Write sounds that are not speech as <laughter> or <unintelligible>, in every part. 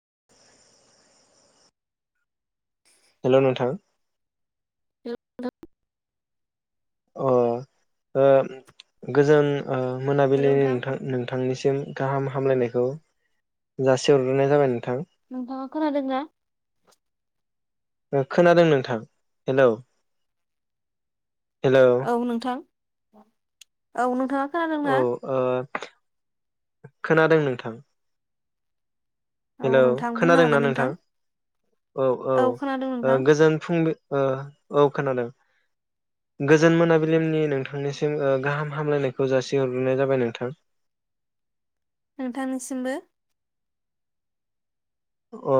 <inaudible> Hello नोंथां। <unintelligible> अ ओ गोजोन ओ मोनाबिलिनि नोंथां नोंथांनिसिम गाहाम हामलायनायखौ जासिहरग्रोनाय जाबाय नों नोंथाङा खोनादोंना? खोनादों नोंथां हेलौ हेलौ औ नोंथां औ नोंथां औ ओ खोनादों नोंथां। औ हेलौ नोंथां बुंनो खोनादोंना हागोन नोंथां औ खोनादों औ नोंथां गोजोन फुंबि ओ औ खोनादों गोजोन मोनाबिलिनि नोंथांनिसिम ओ गाहाम हामलायनायखौ जासिहरग्रोनाय जाबाय नोंथां। नोंथांनिसिमबो। अ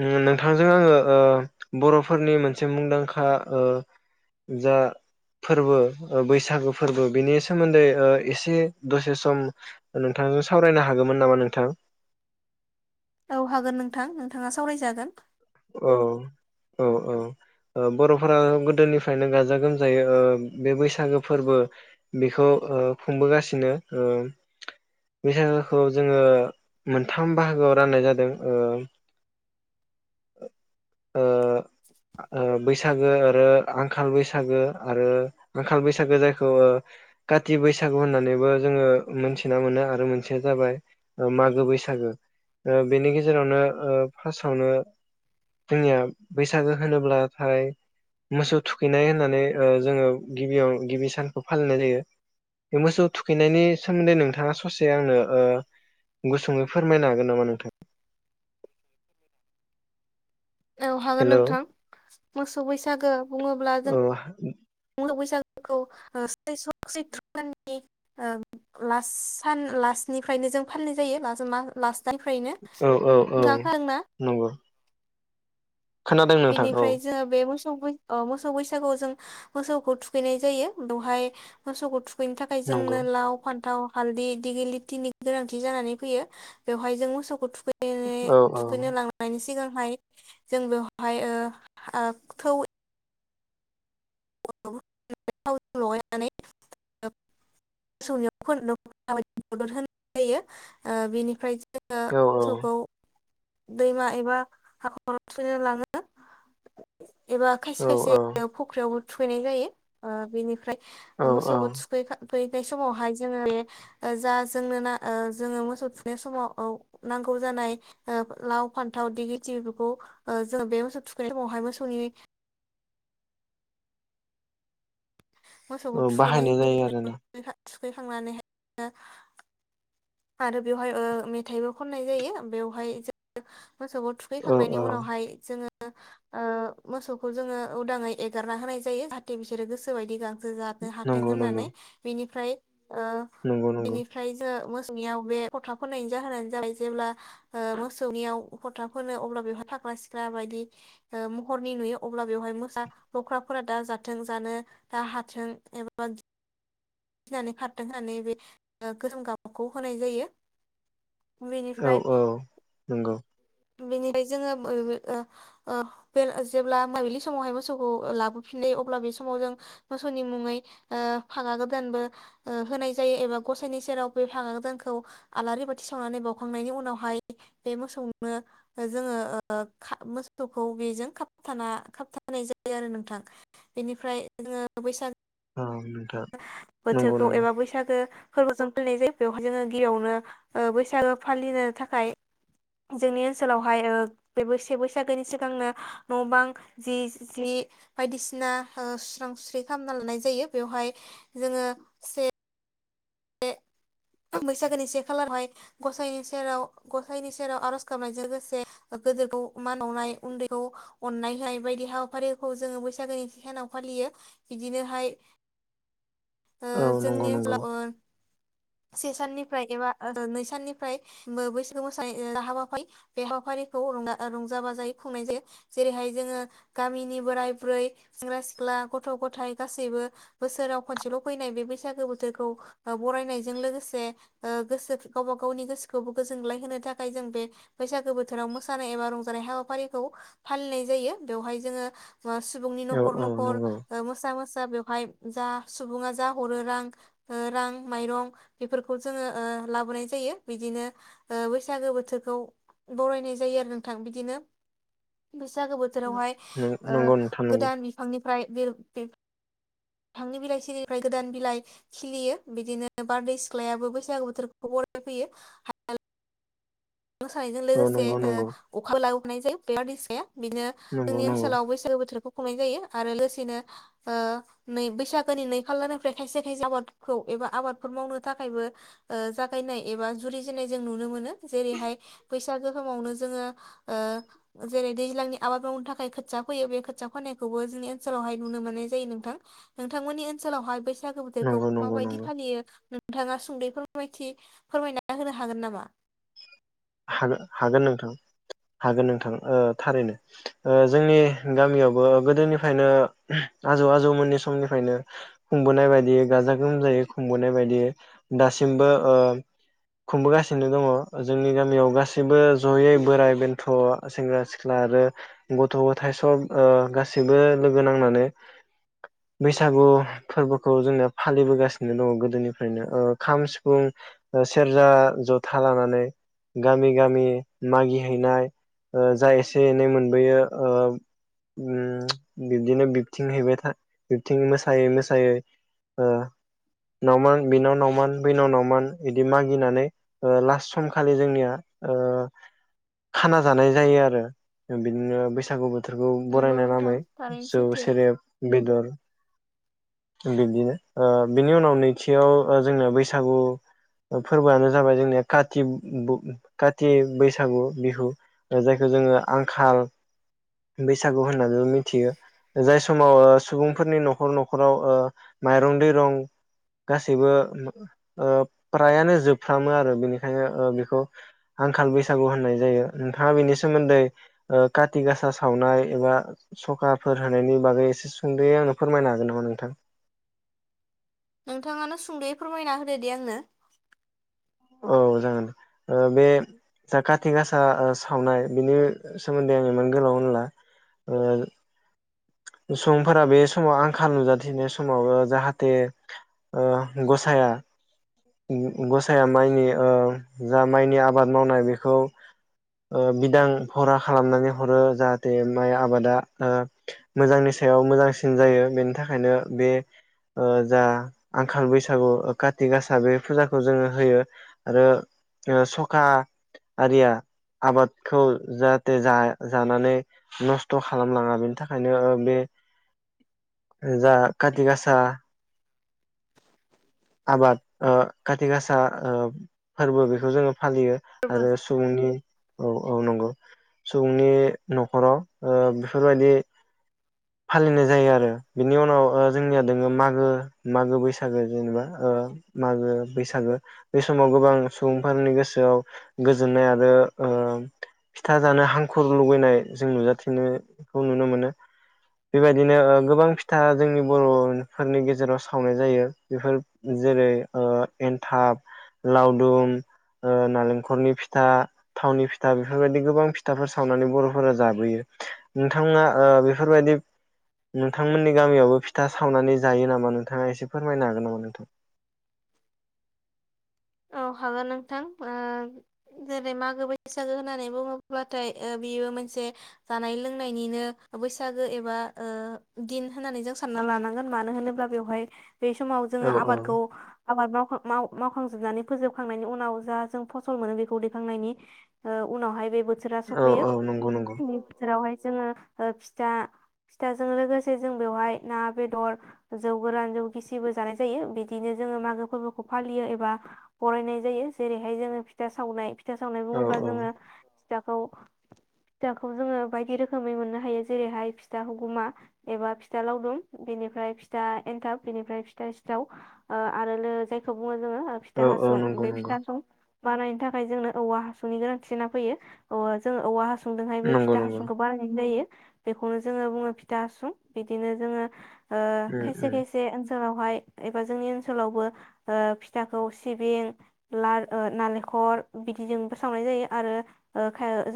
उम नोंथांजों आङो ओ बर'फोरनि मोनसे मुंदांखा ओ जा फोरबो बैसागु फोरबो बिनि सोमोन्दै ओ एसे दसे सम नोंथांजों सावरायनो हागौमोन नामा नोंथां? औ हागोन नोंथां नोंथाङा सावरायजागोन। औ औ औ औ बर'फोरा गोदोनिफ्रायनो गाजा गोमजायै ओ बे बैसागो फोरबो बेखौ ओ खुंबोगासिनो ओ बैसागोखौ जोङो मोनथाम बाहागोआव राननाय जादों ओ ओ बैसागो आरो आंखाल बैसागो आरो आंखाल बैसागो जायखौ काति बैसागु होननानैबो जोङो मोनथिना मोनो आरो मोनसेया जाबाय ओ मागो बैसागो बेनि गेजेरावनो फार्स्टयावनो जोंनिया बैसागो होनोब्लाथाय मोसौ थुखैनाय होननानै जोङो ओ गिबियाव गिबि सानखौ फालिनाय जायो बे मोसौ थुखैनायनि सोमोन्दै नोंथाङा ससे आंनो ओ गुसुङै फोरमायनो हागोन नामा नोंथां? औ हागोन हेलौ नोंथां मोसौ बैसागो बुङोब्ला जों औ बैसागुखौ <unintelligible> बैसाग सैथ्र'दाननि ओ लास सान लासनिफ्रायनो जों फालिनाय जायो दाननिफ्रायनो औ औ औ नोंथाङा खोनादोंना नंगौ खोनादों नोंथां औ बिनिफ्राय जोङो बे मोसौ मो अ मोसौ बैसागुआव जों मोसौखौ थुखैनाय जायो बेवहाय मोसौ थु बेनि थाखाय नंगौ जोंनो लाव फान्थाव हालदि गेलिटिनि गोनांथि जानानै फैयो बेवहाय जों मोसौखौ थुखै दिनै औ थुखैनो लांनायनि सिगां <unintelligible> जों बेवहा ओमहाय ओ ओ थौ <unintelligible> लगायनानै मोसौनि मदद होनाय जायो ओ बेनिफ्राय जोङो औ औ मोसौखौ दैमा एबा हाखराव सैना लाङो एबा औ खायसे खायसे फुख्रियाव थुखैनाय जायो ओ बेनिफ्राय औ औ मोसौखौ थुखै फैनाय समावहाय जोङो बे जा जोंनो न जोङो मोसौ थुखनाय समाव ओ नांगौ जानाय लाव फानथाव दिगिलिथिफोरखौ जोङो बे मोसौ थुखैनाय समावहाय मोसौनि मोसौखौ ओ थुखैनाय बाहायनाय जायो आरोना थुखैखांनानैहाय <unintelligible> आरो बेवहाय ओ मेथाइबो खननाय जायो बेवहाय जों मोसौखौ औ थुखैखांनायनि औ उनावहाय जोङो ओ मोसौखौ जोङो उदाङै एगारना होनाय जायो जाहाथे बिसोरो गोसोबायदि गां सो जानो हाथों नंगौ नंगौ होननानै बेनि ओमफ्राय ओ नंगौ नंगौ बेनिफ्राय जों मो सौनियाव बे फथा फोनायनायनि जाहोनानो जाबाय जेब्ला ओ मोसौनियाव फथा फोनो अब्ला बेवहाय फाग्रा सिख्रा बायदि ओ महरनि नुयो अब्ला बेवहाय मोसा लख्राफोरा दा जाथों जानो दा हाथों एबा गिनानै खारथों होननानै बे ओ गोसोम गाबखौ होनाय जायो औ बेनिफ्राय औ नंगौ बेनिफ्राय जोङो बे ओ ओ जेब्ला मोनाबिलि समावहाय मोसौखौ लाबोफिनो अब्ला बे समाव जों मोसौनि मुङै ओ फागा गोदानबो ओ होनाय जायो एबा गसाइनि सेराव बे फागा गोदानखौ आलारि बाथि सावनानै बावउखांनायनि उनावहाय बे मोसौ जोङो ओ मोसौखौ बेजों खाबथाना खाबथानाय जायो आरो नोंथां बेनिफ्राय जोङो बैसागो उम बोथोरखौ एबा बैसागो फोरबो जों फालिनाय जायो बेवहाय जोङो गिबियावनो ओ बैसागो फालिनो थाखाय जोंनि ओनसोलावहाय ओ बे से बैसागोनि सिगांनो न' बां जि जि बायदिसिना ओ सुस्रां सुस्रि खालामना लानाय जायो बेवहाय जोङो से <unintelligible> बैसागोनि से खालारावहाय गसाइनि सेराव गसाइनि सेराव आरज गाबनायजों लोगोसे गोदिरखौ मान बावनाय उनदैखौ अननायहोनाय बायदि हाबाफारिखौ जोङो बैसागोनि से सानाव फालियो बिदिनोहाय ओ औ नंगौ जोंनि नंगौ ओनसोलाव ओ से साननिफ्राय एबा नै साननिफ्राय बैसागु मोसानाय हाबाफारि बे हाबाफारिखौ रंजा बाजायो खुंनाय जायो जेरैहाय जोङो गामिनि बोराय बुरै सेंग्रा सिख्ला गथ' गथाय गासैबो बोसोराव खनसेल' फैनाय बे बैसागो बोथोरखौ बरायनाय जों लोगोसे ओ गोसो गावबा गावनि गोसोखौबो गोजोनग्लाय होनो थाखाय जों बे बैसागो बोथोराव मोसानाय एबा रंजानाय हाबाफारिखौ फालिनाय जायो बेवहाय जोङो सुबुंनि औ न'खर न'खर नंगौ ओ मोसा मोसा बेवहाय जा सुबुङा जा हरो रां ओ रां माइरं बेफोरखौ जोङो ओ लाबोनाय जायो बिदिनो ओ बैसागो बोथोरखौ बरायनाय जायो आरो नोंथां बिदिनो बैसागो बोथोरावहाय ओ नंगौ नोंथां नंगौ गोदान बिफांनिफ्राय बे <unintelligible> फांनि बिलाइ सिरिनिफ्राय गोदान बिलाइ खिलियो बिदिनो बारदै सिख्लायाबो बैसागु बोथोरखौ बरायफैयो <unintelligible> मोसानायजों औ लोगोसे नंगौ नंगौ ओ अखाबो लाबोनाय जायो बारदैसिख्लाया बिदिनो नंगौ जोंनि नंगौ ओनसोलाव बै सागो बोथोरखौ खुंनाय जायो आरो लोगोसेनो ओ नै बैसागोनि नै फालारनिफ्राय खायसे खायसे आबादखौ एबा आबादफोर मावनो थाखायबो ओ जागायनाय एबा जुरिजेननाय जों नुनो मोनो जेरैहाय बैसागु समावनो जोङो ओ जेरै दैज्लांनि आबाद मावनो थाखाय खोथिया फैयो बे खोथिया फैनायखौबो जोंनि ओनसोलावहाय नुनो मोननाय जायो नोंथां नोंथांमोननि ओनसोलावहाय बै सागो बोथोरखौ नंगौ नंगौ माबायदि नंगौ फालियो <unintelligible> नोंथाङा सुंदयै फोरमायथि फोरमायना होनो हागोन नामा हागोन नोंथां हागोन नोंथां ओ थारैनो जोंनि गामियावबो गोदोनिफ्रायनो आजौ आजौमोननि समनिफ्रायनो खुंबोनाय बायदि गाजा गोमजायै खुंबोनाय बायदि दासिमबो खुंबोगासिनो दङ जोंनि गामि बेयाव गासैबो जयै बोराइ बेन्थ सेंग्रा सिख्ला आरो गथ गथाय सब गासैबो लोगो नांनानै बैसागु फोरबोखौ जोंनाया फालिबोगासिनो दङ गोदोनिफ्रायनो खाम सिफुं सेरजा जथा लानानै गामि गामि मागिहैनाय जा एसे एनै मोनबोयो बिब्दिनो बिबथिं हैबाय था बिबथिं मोसायै मोसायै ओ नावमान बिनाव नावमान बैनाव नावमान बिदि मागिनानै लास्ट सम खालि जोंनिया खाना जानाय जायो आरो बिदिनो बैसागु बो बोथोरखौ नंगौ बरायनाय नोंथां नामै थारैनो जौ सैथो सेरेब बेदर बिब्दिनो बिनि उनाव नैथियाव जोंनिया बैसागु फोरबोआनो जाबाय जोंनिया काति बो काति बैसागु बिहु जायखौ जोङो आंखाल बैसागु होननानैबो मिथियो जाय समाव सुबुंफोरनि नखर नखराव माइरं दैरं गासैबो फ्रायानो जोबफ्रामो आरो बेनिखायनो बेखौ आंखाल बैसागु होननाय जायो नोंथाङा बेनि सोमोन्दै काति गासा सावनाय एबा सखाफोर होनायनि बागै एसे सुंदो आंनो फोरमायनो हागोन नामा नोंथां नोंथाङानो सुंदयै फोरमायना होदो दे आंनो औ जागोन बे जा काति गासा सावनाय बिनि सोमोन्दै आं इमान गोलाव होनला सुबुंफोरा बे समाव आंखाल नुजाथिनाय समाव जाहाथे गसाया गसाया माइनि ओ जा माइनि आबाद मावनाय बेखौ बिदां भरा खालामनानै हरो जाहाथे माइ आबादा ओ मोजांनि सायाव मोजांसिन जायो बेनि थाखायनो बे ओ जा आंखाल बैसागु काति गासा बे फुजाखौ जोङो होयो आरो सखाआरिया आबादखौ जाहाथे जा जानानै नस्थ खालाम लाङा बेनि थाखाय ओंखायनो बे जा काति गासा आबाद ओ काति गासा ओ फोरबो बेखौ जोङो फालियो फोरबो आरो सुबुंनि औ औ नंगौ सुबुंनि नखराव बेफोरबायदि फालिनाय जायो आरो बेनि उनाव जोंनिया दोङो मागो मागो बैसागो जेनेबा मागो बैसागो बे समाव गोबां सुबुंफोरनि गोसोआव गोजोननाय आरो ओ फिथा जानो हांखुर लुबैनाय जों नुजाथिनायखौ नुनो मोनो बेबायदिनो गोबां फिथा जोंनि बर'फोरनि गेजेराव सावनाय जायो बेफोर जेरै एन्थाब लावदुम नालेंखरनि फिथा थावनि फिथा बेफोरबायदि गोबां फिथाफोर सावनानै बर'फोरा जाबोयो नोंथांमोना बेफोरबायदि नोंथांमोननि गामियावबो फिथा सावनानै जायो नामा नोंथाङा एसे फोरमायनो हागोन नामा नोंथां औ हागोन नोंथां ओ जेरै मागो बैसागो होननानै बुङोब्लाथाय बेयो मोनसे जानाय लोंनायनिनो बैसागो एबा दिन होननानै जों सानना लानांगोन मानो होनोब्ला बेवहाय बे समाव औ जोङो आबादखौ औ आबाद मावखां मा मावखां जोबनानै फोबखांनायनि उनाव जा जों फसल मोनो बेखौखांनायनि ओ उनावहाय बे बोसोरा औ सफैयो औ नंगौ नंगौ बे बोथोरावहाय जोङो ओ फिथा फिथाजों लोगोसे जों बेवहाय ना बेदर जौ गोरान जौ गिसिबो जानाय जायो बिदिनो जोङो मागो फोरबोखौ फालियो एबा बरायनाय जायो जेरैहाय जोङो फिथा सावनाय फिथा सावनाय औ बुङोब्ला जोङो औ फिथाखौ फिथाखौ जोङो बायदि रोखोमै मोननो हायो जेरैहाय फिथा हुगुमा एबा फिथा लावदुम बेनिफ्राय फिथा एन्थाब बेनिफ्राय फिथा सिथाव ओ आरो जायखौ बुङो जोङो ओ फिथा औ औ हासुं नंगौ बे नंगौ फिथा हासुं बानायनो थाखाय जोंनो औवा हासुंनि गोनांथि जाना फैयो जों औवा हा सुंदोंहाय बे नंगौ फिथा नंगौ हासुंखौ बानायनाय जायो बेखौनो जोङो बुङो फिथा हासुं बिदिनो जोङो ओ उम खायसे उम खायसे ओन सोलावहाय एबा जोंनि ओनसोलावबो ओ फिथा खौ सिबिं ला नालेंखर बिदिजोंबो सावनाय जायो आरो ओ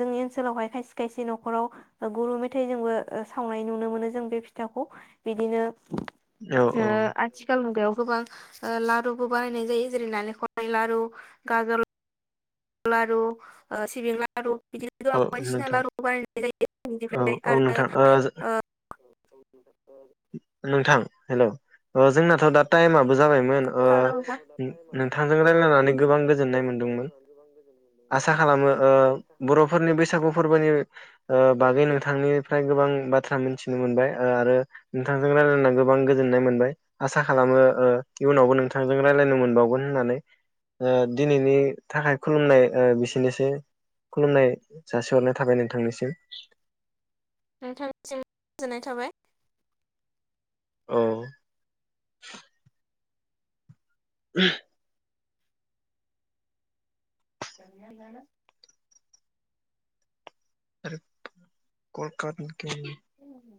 जोंनि ओनसोलावहाय खायसे खायसे नखराव गुरु मेथाइ जोंबो सावनाय नुनो मोनो जों बे फिथाखौ बिदिनो औ ओ औ आथिखाल मुगायाव गोबां ओ लारुबो बानायनाय जायो जेरै नालेंखरनि लारु गाजर लारु ओ सिबिं लारु बिदिनो औ गोबां बायदिसिना नोंथां लारु बानायनाय जायो औ बिनिफ्राय औ आरो नोंथां ओ ओ <unintelligible> नोंथां हेल' ओ जोंना थ' दा टाइमआबो जाबायमोन ओ खोनादों नोंथां नोंथांजों रायलायनानै गोबां गोजोननाय मोनदोंमोन आसा खालामो ओ बर'फोरनि बैसागु फोरबोनि ओ बागै नों थांनिफ्राय गोबां बाथ्रा मिनथिनो मोनबाय ओ आरो नोंथांजों रायलायना गोबां गोजोननाय मोनबाय आसा खालामो ओ इयुनावबो नोंथांजों रायलायनो मोनबावगोन होननानै ओ दिनैनि थाखाय खुलुमनाय ओ बिसोनोसै खुलुमनाय जासिहरनाय थाबाय नोंथांनिसिम नोंथांनिसिम गोजोननाय थाबाय औ <unintelligible> <unintelligible> <unintelligible> <unintelligible>